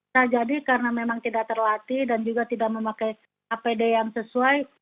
nah jadi karena memang tidak terlatih dan juga tidak memakai apd yang sesuai